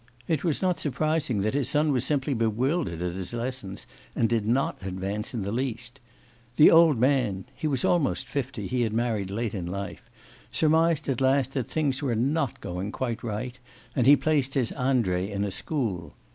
It was not surprising that his son was simply bewildered at his lessons, and did not advance in the least. The old man (he was almost fifty, he had married late in life) surmised at last that things were not going quite right, and he placed his Andrei in a school.